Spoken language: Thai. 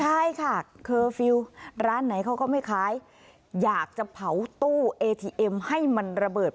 ใช่ค่ะร้านไหนเขาก็ไม่ค้ายอยากจะเผาตู้เอทีเอ็มให้มันระเบิด